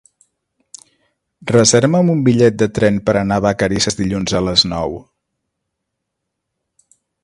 Reserva'm un bitllet de tren per anar a Vacarisses dilluns a les nou.